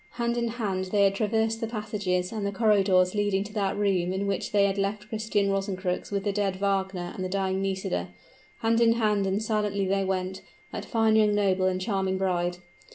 Hand in hand they had traversed the passages and the corridors leading to that room in which they had left Christian Rosencrux with the dead Wagner and the dying Nisida; hand in hand and silently they went that fine young noble and charming bride!